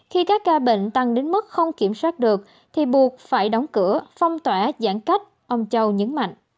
khi các ca bệnh tăng đến mức không kiểm soát được thì buộc phải đóng cửa phong tỏa giãn cách ông châu nhấn mạnh